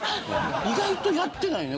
意外とやってないね